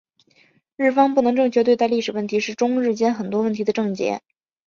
日方不能正确对待历史问题是中日间很多问题的症结。